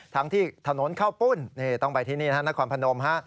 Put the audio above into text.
ทั้งที่ถนนเข้าปุ้นต้องไปที่นี่นะครับนครพนม